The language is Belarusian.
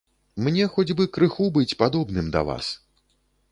Мне хоць бы крыху быць падобным да вас.